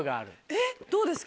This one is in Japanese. えっどうですか？